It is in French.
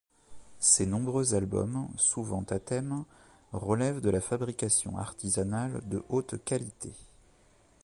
Ses nombreux albums, souvent à thème, relèvent de la fabrication artisanale de haute qualité.